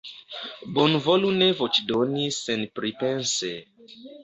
Bonvolu ne voĉdoni senpripense.